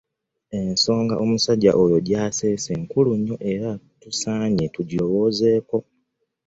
Ensonga omusajja oyo gy'aseese nkulu nnyo era tusaanye tugirowoozeeko.